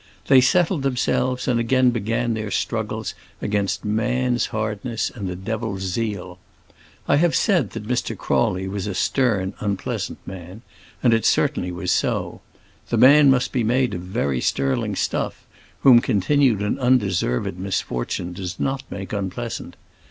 They settled themselves, and again began their struggles against man's hardness and the devil's zeal. I have said that Mr. Crawley was a stern, unpleasant man; and it certainly was so. The man must be made of very sterling stuff, whom continued and undeserved misfortune does not make unpleasant.